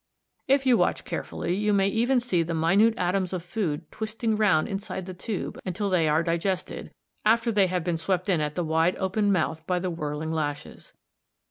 If you watch carefully, you may even see the minute atoms of food twisting round inside the tube until they are digested, after they have been swept in at the wide open mouth by the whirling lashes.